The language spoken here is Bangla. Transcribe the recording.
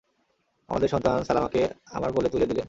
আমাদের সন্তান সালামাকে আমার কোলে তুলে দিলেন।